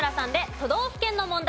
都道府県の問題。